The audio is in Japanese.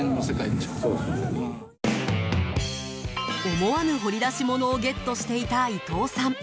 思わぬ掘り出し物をゲットしていた伊藤さん。